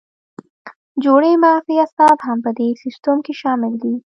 جوړې مغزي اعصاب هم په دې سیستم کې شامل دي.